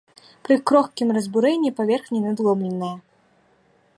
Пры крохкім разбурэнні паверхня надломленая.